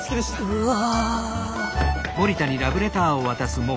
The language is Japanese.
うわ！